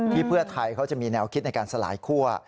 เพื่อไทยเขาจะมีแนวคิดในการสลายคั่ว